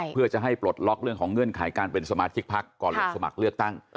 เพื่อจะให้ปลดล็อกเรื่องของเงื่อนไขการเป็นสมาชิกพักก่อนลงสมัครเลือกตั้ง